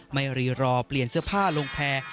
ไม่รีรอเปลี่ยนเสื้อผ้าลงแพร่